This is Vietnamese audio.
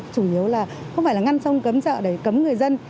chủ yếu là không phải là ngăn sông cấm chợ để cấm người dân